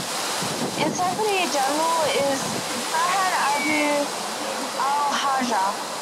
Its Secretary-General is Farhan Abu Al-Hayja.